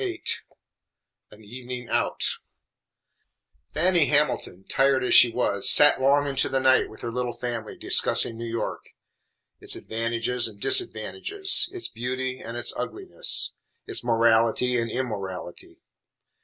VIII AN EVENING OUT Fannie Hamilton, tired as she was, sat long into the night with her little family discussing New York, its advantages and disadvantages, its beauty and its ugliness, its morality and immorality.